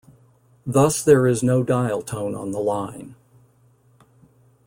Thus there is no dial tone on the line.